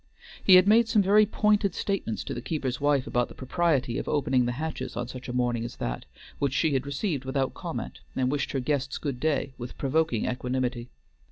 He had made some very pointed statements to the keeper's wife about the propriety of opening the hatches on such a morning as that, which she had received without comment, and wished her guests good day with provoking equanimity.